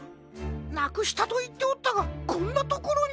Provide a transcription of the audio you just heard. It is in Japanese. なくしたといっておったがこんなところに。